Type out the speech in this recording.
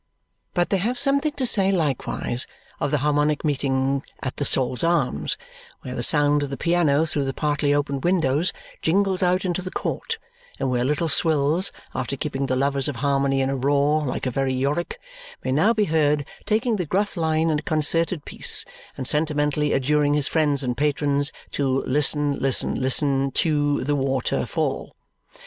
But they have something to say, likewise, of the Harmonic Meeting at the Sol's Arms, where the sound of the piano through the partly opened windows jingles out into the court, and where Little Swills, after keeping the lovers of harmony in a roar like a very Yorick, may now be heard taking the gruff line in a concerted piece and sentimentally adjuring his friends and patrons to "Listen, listen, listen, tew the wa ter fall!"